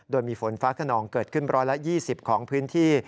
โดยมีฝนฟ้าขนองเกิดขึ้น๑๒๐ของพื้นที่